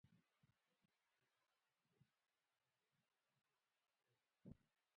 پاولو په ماشومتوب کې له ادبیاتو سره مینه لرله.